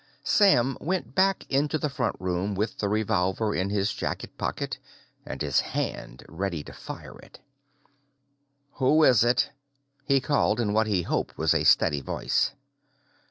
Sam went back into the front room with the revolver in his jacket pocket and his hand ready to fire it. "Who is it?" he called, in what he hoped was a steady voice.